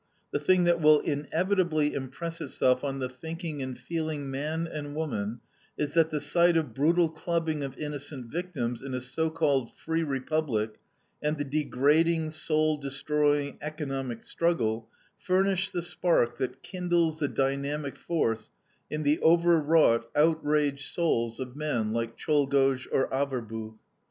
The thing that will inevitably impress itself on the thinking and feeling man and woman is that the sight of brutal clubbing of innocent victims in a so called free Republic, and the degrading, soul destroying economic struggle, furnish the spark that kindles the dynamic force in the overwrought, outraged souls of men like Czolgosz or Averbuch.